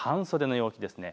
半袖の陽気ですね。